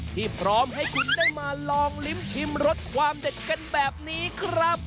ที่พร้อมให้คุณได้มาลองลิ้มชิมรสความเด็ดกันแบบนี้ครับ